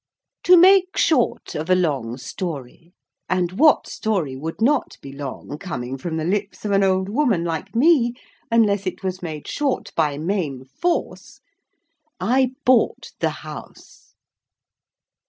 To make short of a long story—and what story would not be long, coming from the lips of an old woman like me, unless it was made short by main force!—I bought the House.